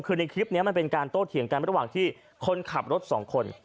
คือในคลิปนี้มันเป็นการโต้เถียงกันระหว่างที่คนขับรถสองคน